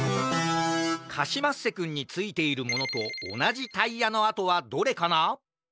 カシマッセくんについているものとおなじタイヤのあとはどれかな？